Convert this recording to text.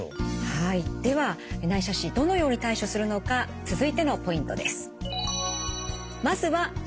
はいでは内斜視どのように対処するのか続いてのポイントです。